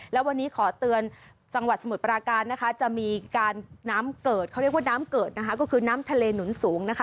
แล้ววันนี้ขอเตือนจังหวัดสมุทรปราการนะคะจะมีการน้ำเกิดเขาเรียกว่าน้ำเกิดนะคะก็คือน้ำทะเลหนุนสูงนะคะ